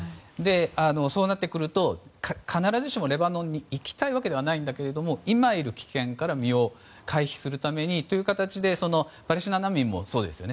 そうなると必ずしもレバノンに行きたいわけじゃないけれども今いる危険から身を回避するためにという形でパレスチナ難民もそうですよね。